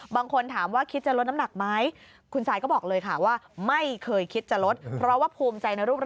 บางคนถามว่าคิดจะลดน้ำหนักไหม